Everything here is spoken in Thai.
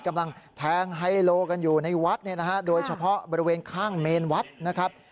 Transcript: กำลังแทงไฮโลกันอยู่ในวัดเนี่ยนะฮะโดยเฉพาะบริเวณข้างเมนวัดนะครับ